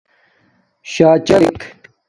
شݳں چَلَݳ دݵک